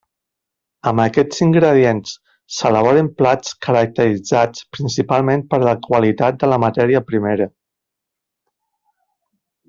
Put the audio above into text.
Amb aquests ingredients, s'elaboren plats caracteritzats principalment per la qualitat de la matèria primera.